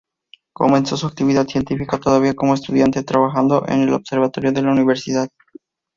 Comenzó su actividad científica todavía como estudiante, trabajando en el observatorio de la universidad.